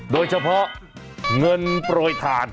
โดยเฉพาะเงินโปรยทาน